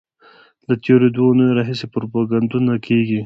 له تېرو دوو اونیو راهیسې پروپاګندونه کېږي.